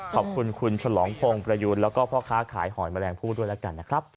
ขอบคุณคุณฉลองพงศ์ประยูนแล้วก็พ่อค้าขายหอยแมลงผู้ด้วยแล้วกันนะครับ